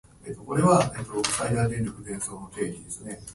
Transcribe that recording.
夢の中道描いていきましょう